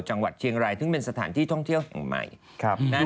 จังหวัดเชียงไรนี่เป็นสถานที่ท่องเที่ยวแห่งใหม่ครับอยู่